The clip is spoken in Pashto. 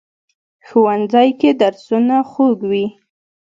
ښوونځی کې درسونه خوږ وي